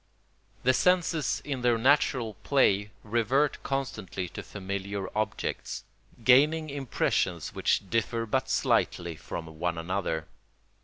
The senses in their natural play revert constantly to familiar objects, gaining impressions which differ but slightly from one another.